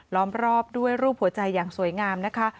ล้อมรอบด้วยรูปหัวใจอย่างสวยงามนะคะ